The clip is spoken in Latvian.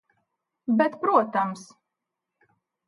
Bet protams.